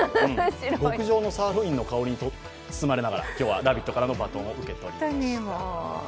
極上のサーロインの香りに包まれながら今日は「ラヴィット！」からのバトンを受け取りました。